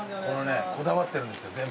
こだわってるんですよ